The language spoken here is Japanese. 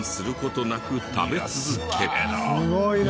すごいな。